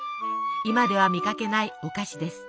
今では見かけないお菓子です。